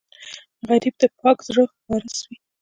غریب د پاک زړه وارث وي